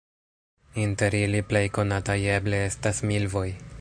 Inter ili plej konataj eble estas milvoj.